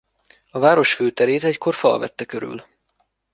A város főterét egykor fal vette körül.